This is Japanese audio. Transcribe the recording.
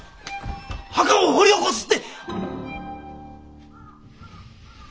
墓を掘り起こすって。